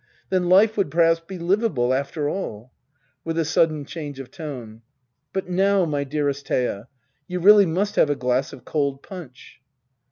Then life would perhaps be liveable, after all. [ Wiik a sudden cftange of tone.] But now, my dearest rhea, you really must have a glass of cold punch.